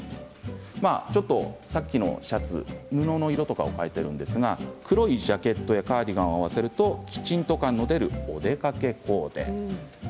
さっきのシャツの布の色を変えているんですが黒いジャケットやカーディガンを合わせるときちんと感が出るお出かけコーデ。